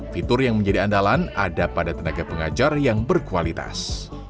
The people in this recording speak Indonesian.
fitur yang menjadi andalan ada pada tenaga pengajar yang berkualitas